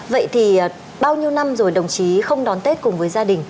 vậy thì bao nhiêu năm rồi đồng chí không đón tết cùng với gia đình